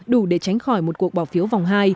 đủ để tránh khỏi một cuộc bỏ phiếu vòng hai